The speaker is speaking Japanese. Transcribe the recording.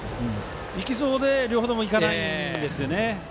いきそうで両方ともいかないんですよね。